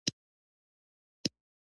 د بیان آزادي موجوده ده.